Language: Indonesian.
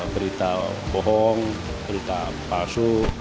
berita bohong berita palsu